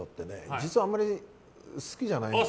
実はあまり好きじゃないんです。